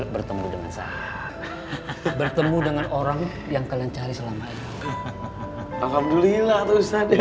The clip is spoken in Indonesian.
bertemu dengan sahab bertemu dengan orang yang kalian cari selama ini alhamdulillah ustadz